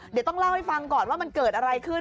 เดี๋ยวต้องเล่าให้ฟังก่อนว่ามันเกิดอะไรขึ้น